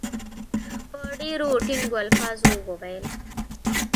په ډېرو ټینګو الفاظو وویل.